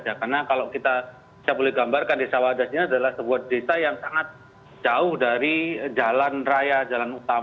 karena kalau kita bisa boleh gambarkan desa wadas ini adalah sebuah desa yang sangat jauh dari jalan raya jalan utama